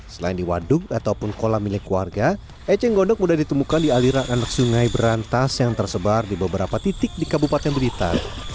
selain di waduk ataupun kolam milik keluarga cenggondok mudah ditemukan di aliran anek sungai berantas yang tersebar di beberapa titik di kabupaten berita